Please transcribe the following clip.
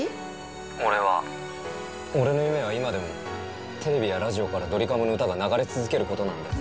俺は、俺の夢は今でも、テレビやラジオからドリカムの歌が流れ続けることなんだ。